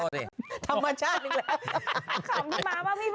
ภรรณามัยชาติหนึ่งเลย